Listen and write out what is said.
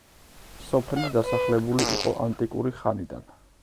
სოფელი დასახლებული იყო ანტიკური ხანიდან.